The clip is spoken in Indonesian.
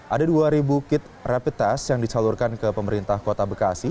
ada dua ribu kit rapid test yang disalurkan ke pemerintah kota bekasi